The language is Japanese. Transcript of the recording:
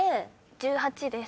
１８です。